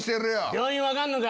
病院分かんのか？